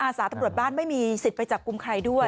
อาศาสตร์ตรวจบ้านไม่มีสิทธิ์ไปจับคุมใครด้วย